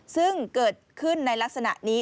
ซึ่งเกิดขึ้นในลักษณะนี้